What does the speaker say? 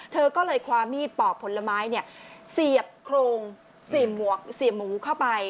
เธอก็เลยคว้ามีดปอกผลไม้เสียบโครงเสียหมูเข้าไป